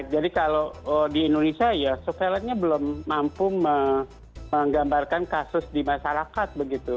jadi kalau di indonesia surveillancenya belum mampu menggambarkan kasus di masyarakat